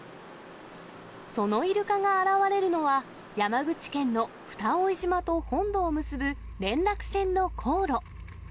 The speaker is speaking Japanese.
そのイルカが現われるのは、山口県の蓋井島と本土を結ぶ連絡船の航路。